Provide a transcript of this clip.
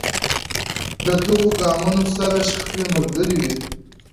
له دغو ګامونو سره شخړې ملګرې وې.